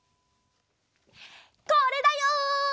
これだよ！